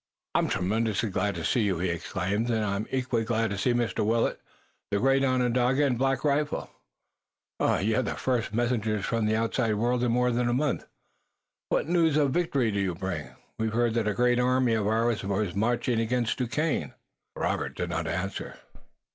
"I'm tremendously glad to see you," he exclaimed, "and I'm equally glad to see Mr. Willet, the great Onondaga, and Black Rifle. You're the first messengers from the outside world in more than a month. What news of victory do you bring? We heard that a great army of ours was marching against Duquesne." Robert did not answer.